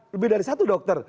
lebih dari satu dokter